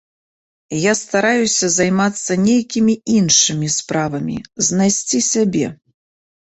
Я стараюся займацца нейкімі іншымі справамі, знайсці сябе.